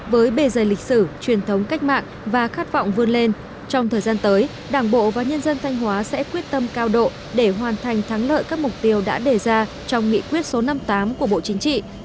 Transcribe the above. với bề dày lịch sử truyền thống cách mạng và khát vọng vươn lên trong thời gian tới đảng bộ và nhân dân thanh hóa sẽ quyết tâm cao độ để hoàn thành thắng lợi các mục tiêu đã đề ra trong nghị quyết số năm mươi tám của bộ chính trị